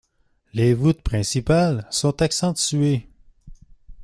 Les voûtes principales sont accentuées.